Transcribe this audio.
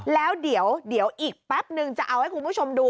แล้วเดี๋ยวอีกแป๊บนึงจะเอาให้คุณผู้ชมดู